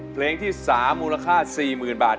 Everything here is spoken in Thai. เพลงที่๓มูลค่า๔๐๐๐บาท